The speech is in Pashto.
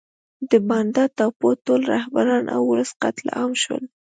د بانډا ټاپو ټول رهبران او ولس قتل عام شول.